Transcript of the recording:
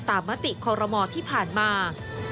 มติคอรมอที่ผ่านมา